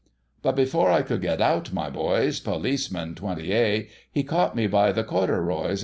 But afore I could get out, my boys, PoUise man 20A, He caught me by the corderoys.